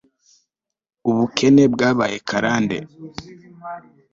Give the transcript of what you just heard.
ubukene bwabaye karande